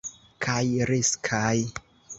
Kaj riskaj.